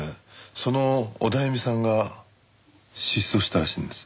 そのオダエミさんが失踪したらしいんです。